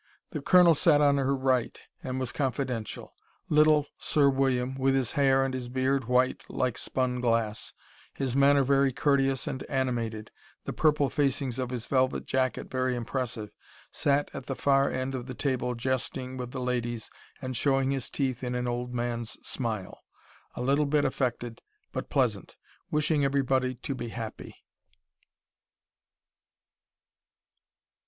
The colonel sat on her right, and was confidential. Little Sir William, with his hair and his beard white like spun glass, his manner very courteous and animated, the purple facings of his velvet jacket very impressive, sat at the far end of the table jesting with the ladies and showing his teeth in an old man's smile, a little bit affected, but pleasant, wishing everybody to be happy.